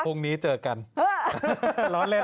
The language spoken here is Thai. พรุ่งนี้เจอกันฮึ้ย